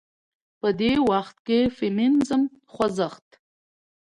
په دې وخت کې د فيمينزم خوځښت